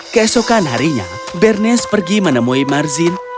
keesokan harinya bernest pergi menemui marzin